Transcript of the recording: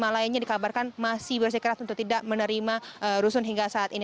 lima lainnya dikabarkan masih bersikeras untuk tidak menerima rusun hingga saat ini